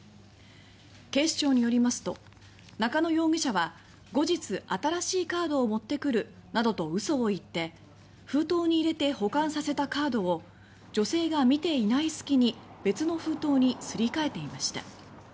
警視庁によりますと仲野容疑者は「後日新しいカードを持ってくる」などとうそを言って封筒に入れて保管させたカードを女性が見ていない隙に別の封筒にすり替えていました。